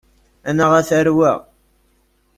Annaɣ, a tarwa!